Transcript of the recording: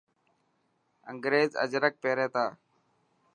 انگريز اجرڪ پيري تا.